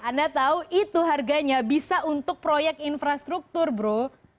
anda tahu itu harganya bisa untuk proyek infrastruktur bro